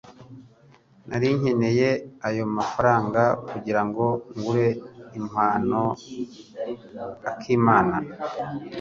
Nari nkeneye ayo mafaranga kugirango ngure impano akimana.